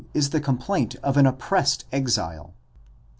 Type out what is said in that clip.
is the complaint of an oppressed exile.